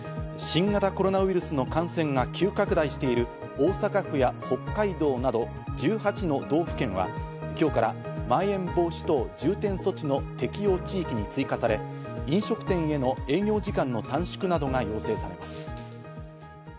新型コロナウイルスの感染が急拡大している大阪府や北海道など１８の道府県は、今日からまん延防止等重点措置の適用地域に追加され、飲食店への営業時間の短縮などが要請されます。